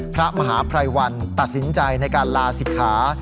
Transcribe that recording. พระมหาภัยวันตัดสินใจในการลาศิกขา